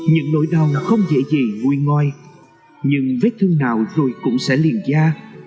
những nỗi đau không dễ dị vui ngoài nhưng vết thương nào rồi cũng sẽ liền gia